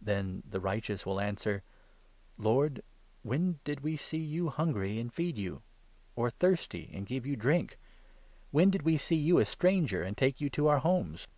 Then the Righteous will answer ' Lord, when did we see you 37 hungry, and feed you ? or thirsty, and give you drink ? When 38 did we see you a stranger, and take you to our homes